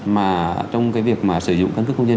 mà trong cái việc mà sử dụng căn cước công dân